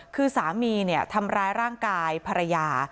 คือสามีทำร้ายร่างกายภรรยา